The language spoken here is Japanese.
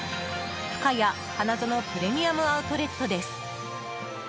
ふかや花園プレミアム・アウトレットです。